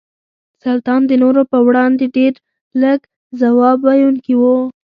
سلطان د نورو په وړاندې ډېر لږ ځواب ویونکي وو.